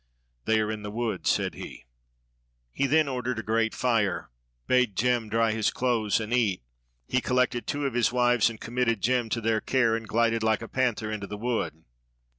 "They are in the wood," said he He then ordered a great fire bade Jem dry his clothes and eat; he collected two of his wives and committed Jem to their care, and glided like a panther into the wood.